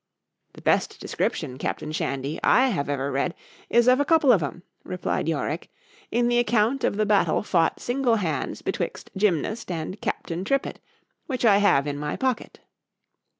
——The best description, captain Shandy, I have ever read, is of a couple of 'em, replied Yorick, in the account of the battle fought single hands betwixt Gymnast and captain Tripet; which I have in my pocket.